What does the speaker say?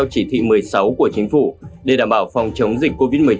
chỉ thị một mươi sáu của chính phủ để đảm bảo phòng chống dịch covid một mươi chín